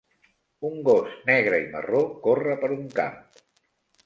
Un gos negre i marró corre per un camp